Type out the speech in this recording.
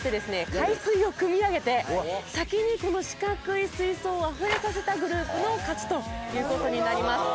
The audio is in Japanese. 海水をくみ上げて先にこの四角い水槽をあふれさせたグループの勝ちという事になります。